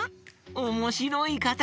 おもしろいかたち！